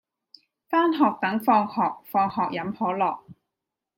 返學等放學放學飲可樂